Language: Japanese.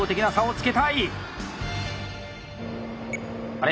あれ？